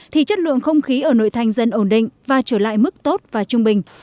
thì chất lượng không khí ở nội thành dân ổn định và trở lại mức tốt và trung bình